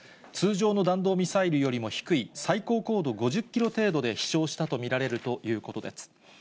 通常の弾道ミサイルよりも低い、最高高度５０キロ程度で飛しょうしたと見られるということです。